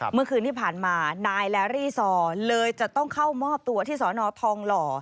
เมื่อคืนที่ผ่านมานายแลรี่ซอเลยจะต้องเข้ามอบตัวที่สอนอทองหล่อ